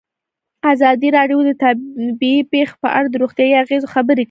ازادي راډیو د طبیعي پېښې په اړه د روغتیایي اغېزو خبره کړې.